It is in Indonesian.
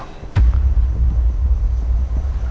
dan gue aman